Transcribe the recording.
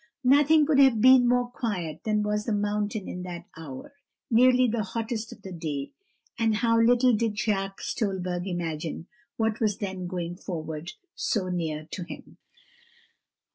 Nothing could have been more quiet than was the mountain in that hour, nearly the hottest of the day; and how little did Jacques Stolberg imagine what was then going forward so near to him.